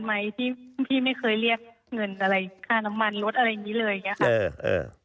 ไหมที่พี่ไม่เคยเรียกเงินอะไรค่าน้ำมันรถอะไรอย่างนี้เลยอย่างนี้ค่ะ